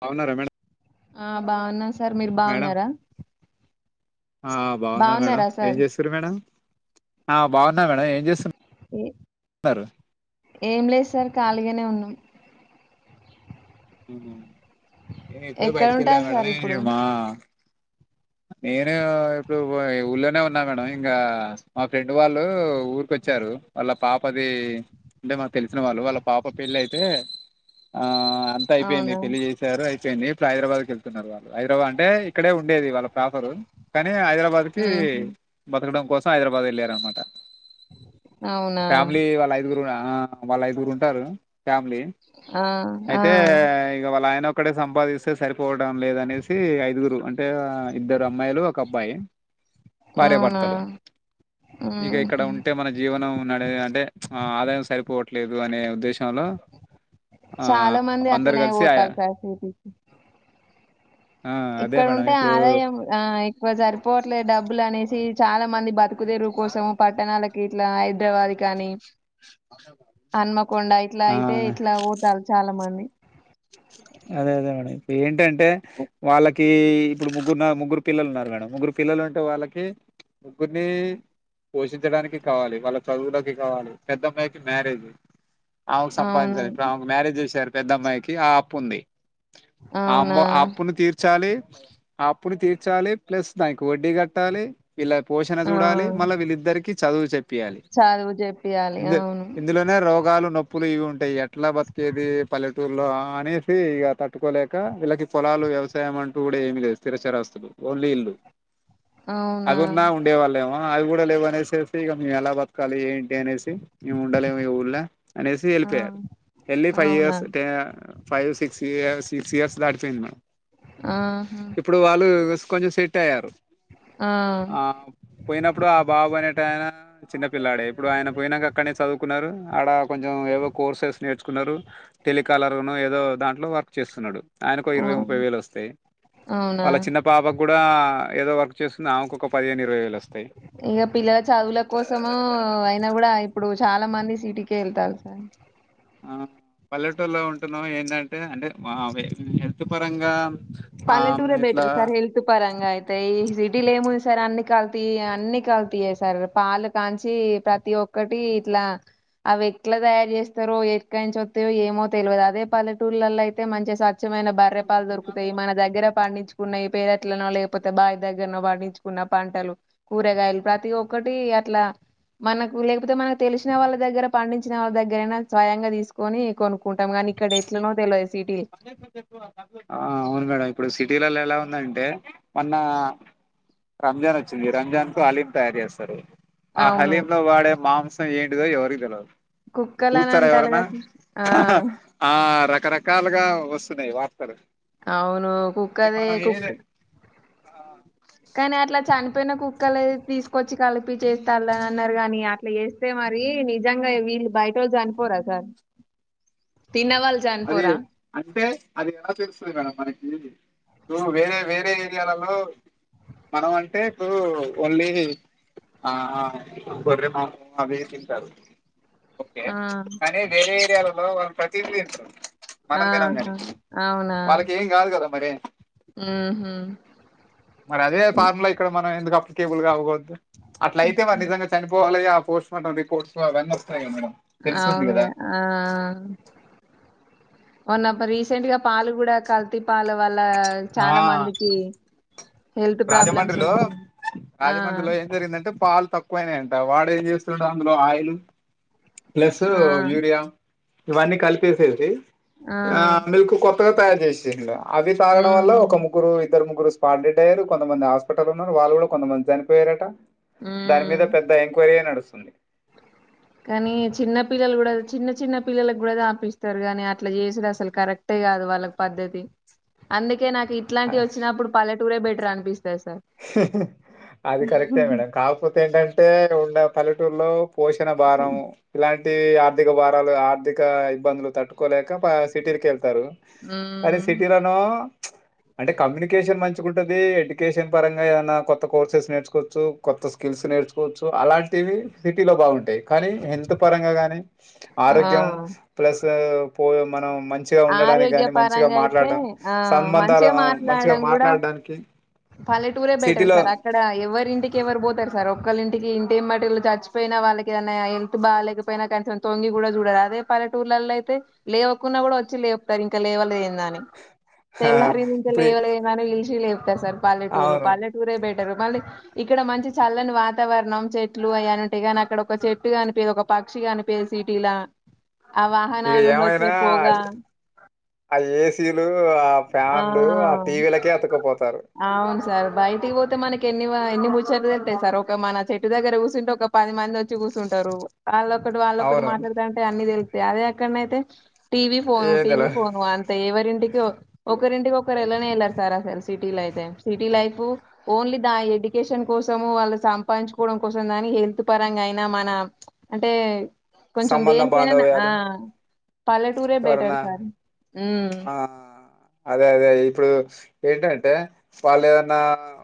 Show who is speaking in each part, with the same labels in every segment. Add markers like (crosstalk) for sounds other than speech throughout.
Speaker 1: బావునార madam
Speaker 2: ఆ బాగున్నామ్ sir మీరు
Speaker 1: మేడం
Speaker 2: బాగున్నారా
Speaker 1: ఆ బాగున్నా మేడం
Speaker 2: బాగున్నారా
Speaker 1: ఏం
Speaker 2: సార్
Speaker 1: చేస్తురు మేడం
Speaker 2: ఏ ఏం లేదు సార్ ఖాళీగానే ఉన్నాం
Speaker 1: నేను ఎప్పుడో
Speaker 2: ఎక్కడ
Speaker 1: బయటికి
Speaker 2: ఉంటారు
Speaker 1: వెళ్ళాను
Speaker 2: సార్ ఇప్పుడు
Speaker 1: మేడంమా నేను ఇప్పుడు ఊర్లోనే ఉన్నా మేడం ఇంకా మా ఫ్రెండ్ వాళ్ళు ఊరికోచ్చారు వాళ్ళ పాపది అంటే మాకు తెలిసిన వాళ్ళు వాళ్ళ పాప పెళ్లి అయితే ఆ అంత అయిపోయింది
Speaker 2: అవునా
Speaker 1: పెళ్లి చేశారు అ ఇలా హైదరాబాద్కి వెళ్తున్నారు వాళ్ళు హైదరాబాద్ అంటే ఇక్కడ ఉండేది వాళ్ళ ప్రాఫర్ కానీ హైదరాబాద్ కి
Speaker 2: ఉహు
Speaker 1: బతకడం కోసం హైదరాబాద్ వెళ్ళారనమాట
Speaker 2: అవునా
Speaker 1: ఫ్యామిలీ వాళ్ళు ఐదుగురు ఆ వాళ్ళు ఐదుగురు ఉంటారు ఫ్యామిలీ
Speaker 2: ఆ ఆ
Speaker 1: అయితే ఇగ వాళ్ళ ఆయన ఒక్కడే సంపాదిస్తే సరిపోవడం లేదనేసి ఐదుగురు అంటే ఇద్దరు అమ్మాయిలు ఒక అబ్బాయి భార్య
Speaker 2: అవునా
Speaker 1: భర్తలు ఇక ఇక్కడ
Speaker 2: ఉహు
Speaker 1: ఉంటే మన జీవనం నడ అంటే ఆ ఆదాయం సరిపోవట్లేదు అనే ఉద్దేశంలో ఆ
Speaker 2: చాలా
Speaker 1: అందరు కలిసి ఆయ
Speaker 2: (unintelligible)
Speaker 1: ఆ అదే
Speaker 2: ఇక్కడ
Speaker 1: మేడం
Speaker 2: ఉంటే
Speaker 1: ఇప్పుడు
Speaker 2: ఆదాయం ఆ ఎక్కువ సరిపోవట్లేదు డబ్బులు అనేసి చాలా మంది బ తుకుదరువు కోసము పట్టణాలకి ఇట్లా హైదరాబాద్ కనీ హన్మకొండ ఇట్లా అయితే
Speaker 1: ఆ
Speaker 2: ఇట్లా పోతారు చాలా మంది
Speaker 1: అదే అదే మేడం ఇప్పుడు ఏంటంటే వాళ్ళకి ఇప్పుడు ముగ్గురు ముగ్గురు పిల్లలు ఉన్నారు మేడం ముగ్గురు పిల్లలు ఉంటే వాళ్ళకి ముగ్గురిని పోషించడానికి కావాలి వాళ్ళ చదువులకి కావాలి పెద్దమ్మాయికి మ్యారేజ్ ఆమెకు
Speaker 2: అవును
Speaker 1: సంపాదించారు ఇప్పుడు ఆమెకు మ్యారేజ్ చేసారు పెద్దమ్మాయికి ఆ అప్పు ఉంది
Speaker 2: అవునా
Speaker 1: ఆమ ఆప్పును తీర్చాలి ఆప్పును తీర్చాలి ప్లస్ దానికి వడ్డీ కట్టాలి వీళ్ళ పోషణ చూడాలి
Speaker 2: ఆ
Speaker 1: మళ్ళా వీళ్ళిద్దరికి చదువు చెపియాలి
Speaker 2: చదువు చెప్పియాలి
Speaker 1: ఇందు
Speaker 2: అవును
Speaker 1: ఇందులోనే రోగాలు నొప్పులు ఇవి ఉంటాయి ఎట్లా బతికేది పల్లెటూ లో అనేసి ఇక తట్టుకోలేక వీళ్ళకి పొలాలు వ్యవసాయం అంటూ కూడా ఏమి లేదు స్థిరచరాస్తులు ఇల్లు
Speaker 2: అవునా
Speaker 1: అదేమో ఉండే వాళ్ళ అవి కూడా లేవనేసేసి ఇక మేము ఎలా బతకాలి ఏంటి అనేసి మేము ఉండలేమ్ ఈ ఊళ్ళ అనేసి
Speaker 2: ఆ
Speaker 1: ఏళ్ళిపోయారు ఏళ్ళి ఫైవ్
Speaker 2: అవునా
Speaker 1: ఇయర్స్ టే five six years six years దాటిపోయింది మ
Speaker 2: ఆహా
Speaker 1: ఇప్పుడు వాళ్ళు కొంచెం సెట్ అయ్యారు ఆ పోయినప్పుడు ఆ బాబు నే టాయనే చిన్న పిల్లాడే ఇప్పుడు ఆయన పోయినాక అక్కడనే చదువుకున్నారు ఆడ కొంచెం ఏవో కోర్సెస్ నేర్చుకు న్నరు టెలికాలర్ నో ఏదో దాంట్లో వర్క్ చేస్తున్నాడు ఆయనకొక
Speaker 2: ఆ
Speaker 1: ఇరవై ముప్పై వేలు వస్తయి
Speaker 2: అవునా
Speaker 1: వాళ్ళ చిన్న పాపకు గూడా ఏదో వర్క్ చేస్తుంది ఆమెకు ఒక పదిహేను ఇరవై వేలు వస్తయి
Speaker 2: ఇగ పిల్లల చదువుల కోసము అయినా గూడా ఇప్పుడు చాలా మంది సిటీకే యెళ్తారు సార్
Speaker 1: ఆ పల్లెటూళ్లో ఉంటున్నాం ఏందంటే అంటే మా హెల్త్ పరంగా ఆ
Speaker 2: పల్లెటూరే బెటర్
Speaker 1: ఇట్లా
Speaker 2: సార్ హెల్త్ పరంగా అయితే ఈ సిటీలో ఏముంది సార్ అన్ని కల్తీ తీ అన్ని కల్తీ యెసారు పాలు కాంచి ప్రతి ఒక్కటి ఇట్లా అవి ఎట్లా తయారు జేస్తారో ఎక్కనుంచి వస్తయో ఏమో తెలియదు అదే పల్లెటూళ్లలో అయితే మంచిగా స స్వచ్ఛమైన బర్రె పాలు దొరుకుతయి మన దగ్గర పండించు కు న్నయి పేరట్లనో లేకపోతే బావి దగ్గరనో పండించుకున్న పంటలు కూరగాయలు ప్రతి ఒక్కటి అట్లా మనకు లేకపోతే మనకు తెలిసిన వాళ్ళ దగ్గర పండించిన వాళ్ళ దగ్గరైనా స్వయంగా తీసుకొని కొనుక్కుంటాం గానీ ఇక్కడ ఎట్లనో తెల్ వద్
Speaker 1: ఆ అవును మేడం ఇప్పుడు సిటీలలో ఎలా ఉందంటే మొన్న రంజాన్ వచ్చింది రంజాన్ కు హలీం తయారు జేస్తరు ఆ
Speaker 2: అవును
Speaker 1: హలీం లో వాడే మాంసం ఏంటిదో ఎవరికి తెలియదు
Speaker 2: కుక్కలని
Speaker 1: చూస్తరా
Speaker 2: అంటారు
Speaker 1: ఎవరన్నా
Speaker 2: కదా సిస్టర్. ఆ!
Speaker 1: ఆ రకరకా లుగా వస్తున్నాయి వార్తలు
Speaker 2: అవును
Speaker 1: అది
Speaker 2: కుక్కదే
Speaker 1: మనం ఏద
Speaker 2: కుక్ కుక్కలది తీసుకొచ్చి కలిపి చేస్తారులే అన్నారు గాని అట్లా చేస్తే మరి నిజంగా వీళ్ళు బయటోళ్ళు చనిపో పోరా సార్
Speaker 1: (inaudible)
Speaker 2: తిన్నవాళ్ళు
Speaker 1: అది
Speaker 2: చనిపోరా?
Speaker 1: అంటే అది ఎలా తెలుస్తది మేడమ్ మనకి తూ వేరే వేరే ఏరియాలలో మనం అంటే ఇప్పుడు ఓన్లీ ఆ గొర్రె మాంసం అవి తింటారు ఓకే
Speaker 2: ఆ!
Speaker 1: కాని వేరే ఏరియాలలో వాళ్ళు ప్రతిది తింటరు మనం తినంగాని
Speaker 2: ఆహా! అవునా?
Speaker 1: వాళ్ళకి ఏం గాదు గదా మరి
Speaker 2: హుహు.
Speaker 1: మరి అదే ఫార్ములా ఇక్కడ మన మనం ఎందుకు అప్లికేబుల్ గాగూడదు అట్లయితే వాళ్ళు నిజంగా చనిపోవాలిగా ఆ పోస్ట్ మార్టం రిపోర్ట్స్ అవన్ని
Speaker 2: అవునుగా ఆ ఆ మొన్న రీసెంట్ గా పాలు గూడా కల్తీపాల వల్ల
Speaker 1: ఆ
Speaker 2: చాలా మందికి హెల్త్ ప్రాబ్లమ్స్
Speaker 1: రాజమండ్రిలో
Speaker 2: వచ్చినాయి. ఆ!
Speaker 1: రాజమండ్రిలో ఏం జరిగిందంటే పాలు తక్కువైనాయంట వాడు ఏం చేస్తుండు అందులో ఆయిల్ ప్లస్
Speaker 2: ఆ!
Speaker 1: యూరియా ఇవన్నీ కలిపేసేసి ఆ మిల్క్ కొత్తగా తయారు చేసిండు అవి తాగడం వల్ల ఒక
Speaker 2: హ్మ్.
Speaker 1: ముగ్గురు ఇద్దరు ముగ్గురు స్పాట్ డెడ్ అయిరు కొంతమంది హాస్పిటల్ ఉన్నారు వాళ్ళు గూడా కొంతమంది చనిపోయారట దాని మీద
Speaker 2: హ్మ్.
Speaker 1: పెద్ద ఎంక్వయిరీ యే నడుస్తుంది (inaudible)
Speaker 2: కానీ చిన్న పిల్లలు గూడా చిన్న చిన్న పిల్లలకు గూడా తాపిస్తరు గాని అట్లా చేసే అసలు కరెక్టే గాదు వాళ్ళకు పద్దతి అందుకే నాకు ఇట్లాంటి వచ్చినప్పుడు పల్లెటూరే బెటర్ అనిపిస్తది సార్
Speaker 1: అది కరెక్టే మేడం కాకపోతే ఏంటంటే ఉన్న పల్లెటూరులో పోషణ భారం ఇలాంటి ఆర్థిక భారాలు ఆర్థిక ఇబ్బందులు తట్టుకోలేక కా ప సిటీలకెళ్తారు కానీ
Speaker 2: ఉమ్
Speaker 1: సిటీలోనో అంటే కమ్యూనికేషన్ మంచిగా ఉంటుది ఎడ్యుకేషన్ పరంగా ఏమన్నా కొత్త కోర్సెస్ నేర్చకోవచ్చు కొత్త స్కిల్స్ నేర్చుకోవచ్చు అలాంటివి సిటీలో బాగుంటాయి కానీ హెల్త్ పరంగా గానీ
Speaker 2: ఆ
Speaker 1: ఆరోగ్యం ప్లస్ పో మనం మంచిగా ఉండడానికి
Speaker 2: ఆరోగ్య
Speaker 1: గాని మంచిగా
Speaker 2: పరంగా అయితే
Speaker 1: మాట్లాడడం
Speaker 2: ఆ
Speaker 1: సంబంధాలు
Speaker 2: మంచిగా
Speaker 1: మంచిగా
Speaker 2: మాట్లాడడం కూడా
Speaker 1: మాట్లాడడానికి
Speaker 2: పల్లెటూరే బెటర్
Speaker 1: సిటీలో
Speaker 2: సార్ అక్కడ ఎవరి ఇంటికి ఎవరు పోతారు సార్ ఒకళ ఇంటికి ఇంటిేం మట్ చచ్చిపోయినా వాళ్ళకిదైనా హెల్త్ బాగాలేకపోయినా కనీం తొంగి కూడా చూడరు అదే ప టూర్లలో అయితే లేవకుంన్నా కూడా వచ్చి లేతారు ఇంకా లేవ
Speaker 1: ఆ!
Speaker 2: తెల్లరింక
Speaker 1: ఇప్పుడు
Speaker 2: లేవలే ఏమ ఇల్చి లేపుతా సార్ పల్లెటూరు
Speaker 1: అవును.
Speaker 2: పల్లెటూరే పె మళ్ళీ ఇక్కడ మంచి చల్లని వాతావరణం చెట్లు అవి ఉంటయి కానీ అక్కడ ఒక చెట్టు కనిప ఒక పక్షిగా అనిపేసిీటీలా
Speaker 1: ఇక ఏమయినా ఆ ఏసీలు ఆ ఫ్యాన్లు ఆ టీవీలకే అతుకుపోతారు
Speaker 2: అవును సార్ బయటికి పోతే మనకి ఎన్ని ఎన్ని ముచ్చంటాయి సార్ ఒక మన చెట్టు దగ్గర కూఊసుంటే ఒక పది మంది వచ్చి చూచంటారు వాళ్ళొక్కటి వాళ్ళొ ఒకటి
Speaker 1: అవును.
Speaker 2: మాట్లాడుత అంటే అన్ని తెలుస్తాయి అదే ఎక్కడన అయితే టీవీ ఫోను టీవీ
Speaker 1: ఏందిలా
Speaker 2: ఫోను అంతే ఎవరింటికి ఒకరింటికి ఒకరుెలానే వెళ్లారు సార్ ఆ cell city life only the education కోసం వాళ్ళు సంపాదించుకోవడం కోసం దాని హెల్త్ ప పరంగా అయినా మన అంటే కొంచెం
Speaker 1: సంబంధ
Speaker 2: దేనికైనానా ఆ
Speaker 1: బాంధవ్యాలు
Speaker 2: పలెటూరే బెటర్
Speaker 1: ఎవరన్నా
Speaker 2: సార్ ఉమ్
Speaker 1: ఆ అదే అదే ఇప్పుడు ఏంటంటే వాళ్ళు ఏదైనా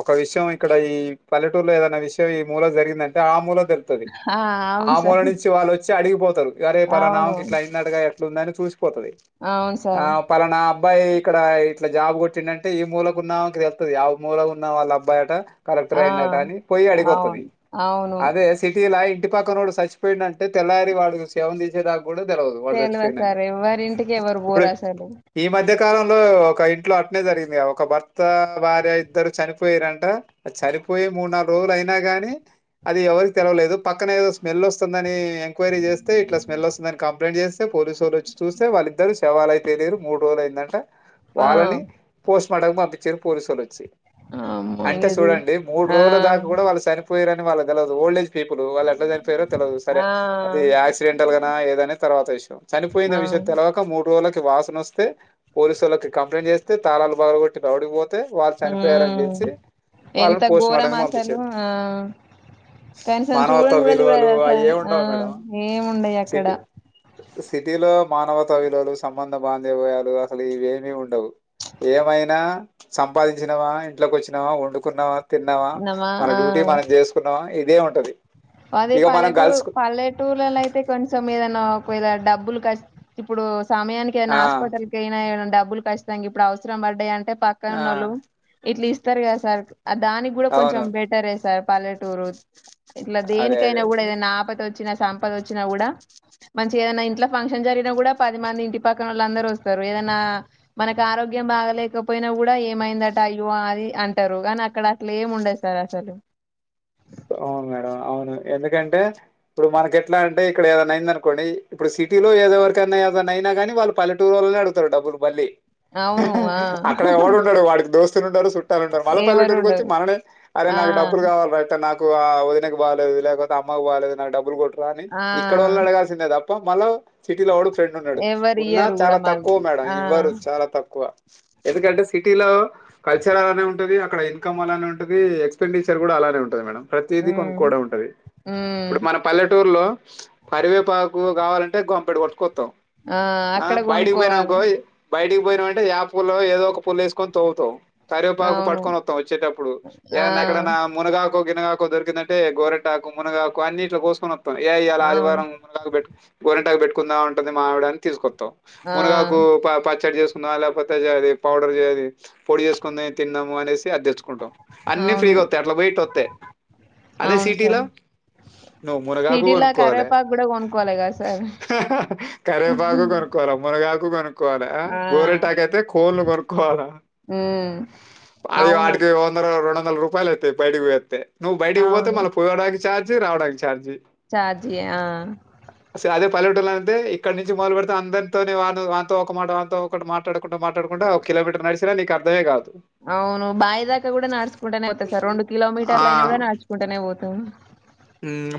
Speaker 1: ఒక విషయం ఇక్కడ ఈ పల్లెటూరులో ఏదైనా విషయం ఈ మూల జరిగి టే ఆమూల తెలుతుంది
Speaker 2: ఆ అవును
Speaker 1: ఆమూల
Speaker 2: సార్
Speaker 1: నుంచి వాళ్ళు వచ్చి వచ్చి అడిగిపోతారు గరే
Speaker 2: అవును
Speaker 1: పలానాకి ఇట్లా అయింది అడుగా ఎట్లాంద అని చూసిపోతుది
Speaker 2: అవును
Speaker 1: ఆ
Speaker 2: సార్
Speaker 1: పలానా అబ్బాయి ఇక్కడ ఇట్లా జాబ్ కొట్టిింది అంటే ఈ మూల ఉన్నాం తెళ్తుంది యా మూలకి ఉన్నా వాళ్ళ అబ్బాయిట కరెక్ట్
Speaker 2: ఆ
Speaker 1: అయినట అని పోయి అడిగతుంది
Speaker 2: అవును అవును
Speaker 1: అదే సిటీ లై పట్ పక్కనోడు చచ్చిపోయిడు అంట తెల్లారి వాడుకి సేవం చేసే కూడా తెలవదు వాడు
Speaker 2: తెలివ
Speaker 1: చచ్చిపోయిడి అని
Speaker 2: సార్ ఎవ్వరింటికి ఎవరు
Speaker 1: ఇప్పుడు
Speaker 2: పోరు అసలు
Speaker 1: ఈ మధ్య కాలంలో ఒక ఇంట్లో అట్నే జరిగింది ఒక భర్త భార్య ఇద్దరు చనిపోయారంట చనిపోయి మూడు నాలుగు రోజు అయినా గానీ అది ఎవరికి తెలవలేదు పక్కన ఏదో స్మెల్ వస్తుందిని ఎంక్వరీ చేస్తే ఇట్ స్మెల్ వస్తుందని కంప్లైం చేస్త పోలీసు వాళ్ళచ్చ చూస్తే వాళ్ళిద్దరు సేవలు అయితే లేరు మూడు రోజులు అయిందంట
Speaker 2: ఆ
Speaker 1: వాళ్ళని పోస్ట్ మార్టం పంపించారు పోలీసు వాళ్ళు వచ్చి
Speaker 2: అమ్మో
Speaker 1: అంటే
Speaker 2: ఇగ చూ
Speaker 1: చూడండి మూడు
Speaker 2: ఆ
Speaker 1: రోజుల దాకా కూడా వాళ్ళు చనిపోయారని వాళ్ళు తెలదు ఓల్డ్ేజ్ పీపుల్ వాళ్ళు ఎట్లా చనిపోయారో తెలిదు సరే
Speaker 2: ఆ
Speaker 1: అది యాక్సిడెంటల్ గా ఏదనా తర్వాత విషయం చనిపోయిన
Speaker 2: ఆ
Speaker 1: విషయం తెలవక మూడు రోజులకి వాసన వస్తే పోలీసు వాళ్ళకి కంప్లైంట్ చేస్తే తాళాలు బాగు కొట్టి రవడిపో వాళ్ళ
Speaker 2: ఉమ్
Speaker 1: చనిపోయారుచేసి
Speaker 2: ఎంత
Speaker 1: వాళ్ళని
Speaker 2: ఘోరం
Speaker 1: పోస్ట్మార్టంకి
Speaker 2: అసలు
Speaker 1: పంపించారు
Speaker 2: ఆ కనీసం
Speaker 1: మానవత్వ
Speaker 2: చూడను కూడా
Speaker 1: విలువలు
Speaker 2: చూడరు అసలు
Speaker 1: అవిే
Speaker 2: ఆ
Speaker 1: ఉండవు మేడం
Speaker 2: ఏముండయి అక్కడ
Speaker 1: సిటీ సిటీలో మానవతవలుసంబంధ బాంధ్యవయాలు అసలు ఇవేమిీ ఉండవు ఏమైనా సంపాదించినావా ఇంట్లోకి వచ్చినావా వండుకున్నావా తిన్నావా
Speaker 2: నమా
Speaker 1: మన డ్యూటీ
Speaker 2: ఆ
Speaker 1: మనం చేసుకున్నావా ఇదే ఉంటది
Speaker 2: అదే
Speaker 1: ఇగ మనం
Speaker 2: పల్లెటూ
Speaker 1: కలుసుకు
Speaker 2: పల్లెటూళ్లలో అయితే కొంచెం ఏదనా డబ్బులు క ఇప్పుడు సమయానికి
Speaker 1: ఆ!
Speaker 2: ఏైనా హాస్పిటల్ క అయినా డబ్బు డబ్బులు కచ్చితంగా ఇప్పుడు అవసరం పడ్డాయి అంటే పక్క
Speaker 1: ఆ!
Speaker 2: ఉన్నళ్ళు ఇట్లా ఇస్తారు కదా సార్ దానికి కూడా కొంచెం
Speaker 1: అవును.
Speaker 2: బెటరే సార్ పల్లెటూరు ఇట్లా
Speaker 1: అదే అదే
Speaker 2: దేనికైనా
Speaker 1: అదే.
Speaker 2: కూడా ఏదైనా ఆపద వచ్చినా సాపద వచ్చినా కూడా మంచి ఏదనా ఇంట్లో ఫంక్షన్ జరిగినా కూడా పది మంది ఇంటి పక్కన వాళ్ళందరుూ వస్తారు ఏదనా మనకి ఆరో ఆరోగ్యం బాగలేకపోయినా కూడా ఏమైందట అయ్యో అది అంటారు కానీ అక్కడ అసలు ఏమి ఉండే అసలు
Speaker 1: అ అవును మేడం అవును ఎందుకంటే ఇప్పుడు మనకి ఎట్లా అంటే ఇక్కడ ఏదైనా అయింది అనుకోండి ఇప్పుడు సిటీలో ఎద ఎవరికన్నా అద అయినానీ వాళ్ళు పలటూరుళ్లనే అడుగుతారుడబ్లుల
Speaker 2: అవును ఆ
Speaker 1: అక్కడ ఎవడు ఉంటాడు వాడికి దోస్తు టు చుట్టాలుంటన్నారు మళ్ళ
Speaker 2: ఎవరు
Speaker 1: పల్లటూరుకి వచ్చ
Speaker 2: ఉండరు
Speaker 1: మననే అరే
Speaker 2: ఆ!
Speaker 1: నా డబ్బులు కావాల నాకు ఆ వదిన బాలేదు లేకపోతే అమ్మకు బాాలలేదు నాకు డబ్బులు కొట్టరా అని
Speaker 2: ఆ!
Speaker 1: ఇక్కడళ్లళ అడగాల్సిందే తప్ప మళ్ళా సిటీలో వాడు ఫ్రెండ్ ఉన్నాడు ఉన్నా
Speaker 2: ఎవరియ్యరు గూడా
Speaker 1: చాలా
Speaker 2: మళ్ళీ.
Speaker 1: తక్కువ మేడం
Speaker 2: ఆ!
Speaker 1: ఇవ్వరు చాలా తక్కువ ఎందుకంటే సిటీలో కల్చర్ అలానే ఉంటది అక్కడ ఇన్కమ్ం అలానే ఉంటది ఎక్స్పెండిచర్ కూడా అలానే ఉంటుంది మేడం ప్రతిదిీ
Speaker 2: హ్మ్.
Speaker 1: కొనుక్కో ఉంటది
Speaker 2: హ్మ్.
Speaker 1: ఇప్పుడు మన పల్లెటూరు లో పరివేపాకు కావాలంటే గప కొట్టుకస్తాం
Speaker 2: ఆ! అక్కడ
Speaker 1: బయటికి
Speaker 2: గొనుక్కోవాలి.
Speaker 1: పోయినాకో బయటి పోయి అంటే ఆ పుల్ల్లో ఏదో పుల్లు వసుకొని త్తావు కరివేపాకు
Speaker 2: అవును.
Speaker 1: పట్కొని వస్తాం వచ్చేటప్పుడు
Speaker 2: ఆ!
Speaker 1: ఏదన్నా ఎక్కడ మునగాకు గినగాకో దొరికిందంటే గోరెటాకు మునగాకు అన్నిట్లో కోసుకున్న ఏ ఇలా
Speaker 2: అవును.
Speaker 1: ఆదివారంట్ గరింటాకు పెట్టుకుందా ఉంటుంది మామివిడ అని తీసుకొాం
Speaker 2: ఆ!
Speaker 1: మునగాకు పచ్చడి చేసు ఆాలపత్త చేయాలి పౌడర్ చేయి పొడి చేసుకుని తిన్నాము అనేసి అది తెచ్చుకుంటాం అన్నీ
Speaker 2: అవును.
Speaker 1: ఫ్రీగా వతాయి అట్లా వెయిట్ వస్తాయి అదే
Speaker 2: అవును
Speaker 1: సిటీలో
Speaker 2: సార్.
Speaker 1: నువ్వు మునగాకు
Speaker 2: సిటీ‌లా
Speaker 1: కొనుక్కోవాలి
Speaker 2: కరివేపాకు గూడా గొనుక్కోవాలి గదా సార్.
Speaker 1: కరివేపాకు కొనుక్కోవాలి మునగాకు కొనుక్కోవాలా
Speaker 2: ఆ!
Speaker 1: గోరెటాక అయితే కోళలు కొనుక్కోవాలా
Speaker 2: హ
Speaker 1: వా వాడికి వందర రెండంద మల రూపాయలువుతాయి బయకి పోస్తతే నువ్వు బయటకి పోతే మళ్ళ ప పోవడానికి ార్జి రావడానికి ఛార్జి
Speaker 2: చషాజీ ఆ
Speaker 1: పల్లెటల అే ఇక్కడి నుంచి మొదలు పెడితే అందరితోనే వా వాతో ఒక మాట వాతో ఒకటి మాట్లాడు ంట మాట్లాడుకుంట అ కిలోమటర్ నడిసిరా నకు అర్దే కాదు
Speaker 2: అవును బా దాకా కూడా నడుచుకుంటేనే పోాయి సార్ రెండు
Speaker 1: ఆ
Speaker 2: కిలోమీటర్లైనా కూడా నాడుచుకుంటేనే పోతా స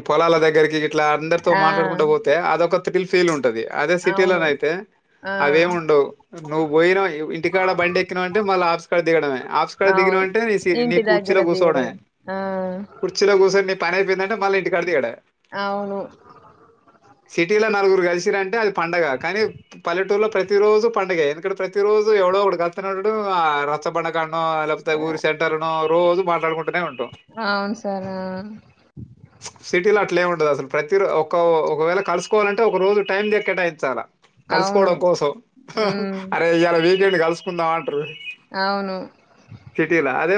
Speaker 1: పొలాల దగ్గరికి ఇట్లా అందరితో
Speaker 2: ఆ!
Speaker 1: మాట్లాడుకుంటూ పోతే అదొక త్రిల్ ఫీల్ ఉంటంది అదే సిటీలో
Speaker 2: అవును.
Speaker 1: అైయితే అవేమి
Speaker 2: ఆ!
Speaker 1: ఉండవు నువ్వు పోయినా ఇంటికాడ బండి ఎక్కినావు అంటే మళ్ళీ ఆఫస్కాడ దిగడమే ఆఫస్కాడ ది
Speaker 2: అవును
Speaker 1: అంటే నీ నీ
Speaker 2: ఇంటి దగ్గర
Speaker 1: కుర్చీలో కూర్చోవడ
Speaker 2: దిగడం ఆ
Speaker 1: కుర్చీలో కూర్చొని నీ పని అయిపోయిందంటే మళ్ళీ ఇంటి కది ఎడ
Speaker 2: అవును
Speaker 1: (inaudible) సిటీలో నలుగురు కలిసిరంటే అది పండగ కానీ పల్లెటూరులో ప్రతి రోజు పంండగ ఎందుకంటే ప్రతి రోజు ఎవడో ఒకడు కత్తినండడం ఆ రచ్చబండకాో లేకపోతే ఊరి సెంటర్ో రోజు మాట్లాడుకుంటూనే ఉండడు
Speaker 2: అవును సార్
Speaker 1: సిటీలో అట్లేము ఉండదు అసలు ప్రతి ఒక ఒకవేళ కలుసుకోవాలంటే ఒక రోజు టైం దక్కేటాయించాలా
Speaker 2: అవును
Speaker 1: కలుసుకోవడం కోసం
Speaker 2: ఉమ్
Speaker 1: అరే ఇలా వీకెండ్ కలుసుకుందాం అంటారు
Speaker 2: అవును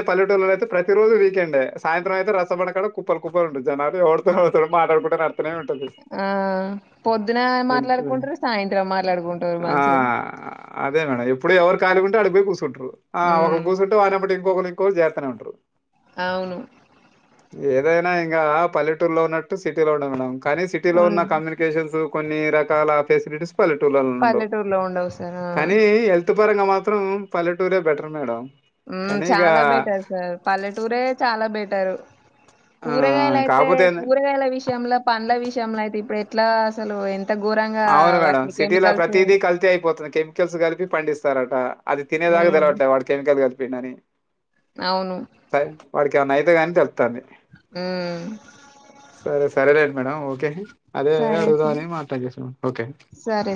Speaker 1: పల్ెటూళ్లో అయితే ప్రతిరోజు వీకెండ్ సాయంతం అయితే రస బనకాడ కుప్పలు కుప్ప ఉంటంది జనాారేోడుతతడు మాట్లాడుకుంట న అర్తనే ఉంటుంది
Speaker 2: ఆ పొద్దున మాట్లాడుకుంటారు సాయంత్రం మాట్లాడుకుంటారు
Speaker 1: ఆ
Speaker 2: మంచిగా
Speaker 1: అదే మేడం ఇప్పుడు ఎవరు కాలికుంట అడిపోయి కూర్చుంటారు ఆ
Speaker 2: ఉమ్
Speaker 1: ఒకక్కరు కూచుంటే వాన పటి లి ఇం చేతనే ఉంటరు
Speaker 2: అవును
Speaker 1: ఏదైనా ఇంకా పల్లెటూరులో ఉన్నట్టు సిటీలో ఉన్నా మేడమ్ కానీ సిటీలో
Speaker 2: ఉన్
Speaker 1: ఉన్న కమ్యూనికేషన్స్ కొన్ని రకాల ఫెసిలిటీస్ పల్లెటూళ్లలో నుంండవు
Speaker 2: పల్లెటూరులో ఉండవు సార్ ఆ
Speaker 1: కానీ హల్త్ పుట్టు పరంగా మాత్రం పల్లెటూరులే బెటర్ మేడం కానీ ఇక
Speaker 2: చాలా బెటారు సార్ పల్లెటూరే చాలా బెటారు
Speaker 1: ఆ
Speaker 2: కూరగాయల అయితే
Speaker 1: కాకపోతే ఏందంటే
Speaker 2: కూరగాయల విషయంలో పండ్ల విషయంలో అయితే ఇప్పుడు ఎట్లా అసలు ఎ
Speaker 1: అవును మేడం సిటీలో ప్రతీదీ కల్త అయిపోతుంది కెమికల్స్ కలిపి పండిస్తారట అది తినేదాగద
Speaker 2: ఉమ్
Speaker 1: ట్లే వాడు కెమికల్ కదిపోయిడి అని
Speaker 2: అవును
Speaker 1: వాడికి ఏమనా అయితే కానీ తెలుతాంది
Speaker 2: ఉమ్
Speaker 1: సరే సరేలేదు మేడం ఓకే అదే
Speaker 2: సరే స
Speaker 1: అడుగుదా అని మాట్లాడి చేసాం ఓకే
Speaker 2: సరే